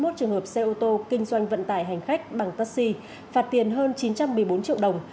chín trăm chín mươi một trường hợp xe ô tô kinh doanh vận tải hành khách bằng taxi phạt tiền hơn chín trăm một mươi bốn triệu đồng